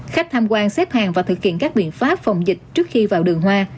khách tham quan xếp hàng và thực hiện các biện pháp phòng dịch trước khi vào đường hoa